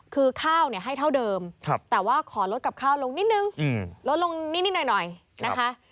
คือข้าวเนี่ยให้เท่าเดิมแต่ว่าขอลดกับข้าวลงนิดนึงลดลงนิดหน่อยนะคะ